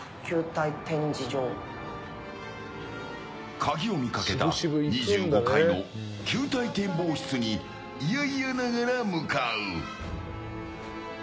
カギを見かけた２５階の球体展望室に嫌々ながら向かう。